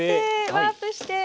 ワープして。